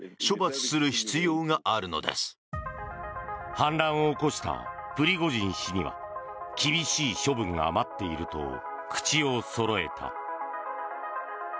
反乱を起こしたプリゴジン氏には厳しい処分が待っていると口をそろえた。